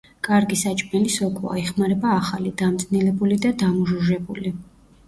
კარგი საჭმელი სოკოა, იხმარება ახალი, დამწნილებული და დამუჟუჟებული.